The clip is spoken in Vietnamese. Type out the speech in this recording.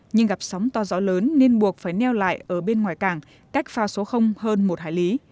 nhưng gặp sóng to gió lớn nên buộc phải neo lại ở bên ngoài cảng cách phao số hơn một hải lý